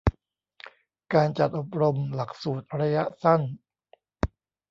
การจัดอบรมหลักสูตรระยะสั้น